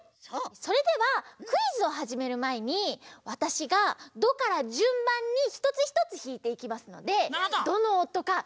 それではクイズをはじめるまえにわたしがドからじゅんばんにひとつひとつひいていきますのでどのおとかよくきいておぼえてください！